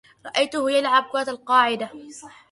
رأيته يلعب كرة القاعدة.